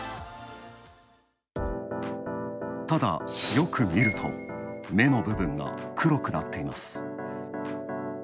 ただ、よく見ると目の部分が黒くなっています。